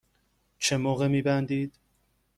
چه موقع می بندید؟